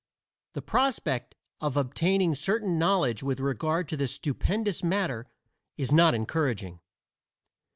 The prospect of obtaining certain knowledge with regard to this stupendous matter is not encouraging.